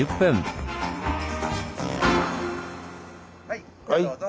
はい。